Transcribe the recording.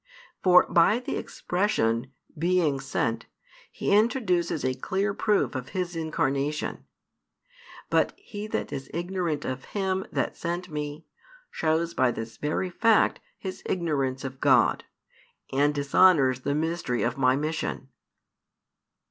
For by the expression "being sent," He introduces a clear proof of His Incarnation. But he that is ignorant of Him that sent Me, shows by this very fact his ignorance of God, and dishonours the mystery of My mission.